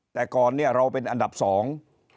แต่ก่อนเราเป็นอันดับสอง